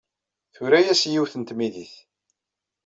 Tura-as i yiwet n tmidit.